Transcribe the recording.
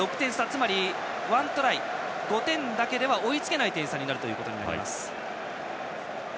つまり、１トライの５点だけでは追いつけない点差になります。